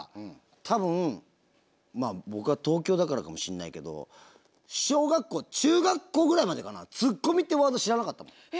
多分僕が東京だからかもしれないけど小学校中学校ぐらいまでかなツッコミってワード知らなかったもん。